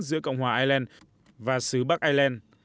giữa cộng hòa ireland và xứ bắc ireland